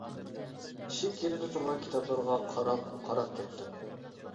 ئىشىك يېنىدا تۇرغان كىتابلارغا قاراپ-قاراپ كەتتىم.